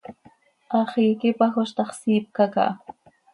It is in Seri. Hax iiqui pajoz ta x, siipca caha.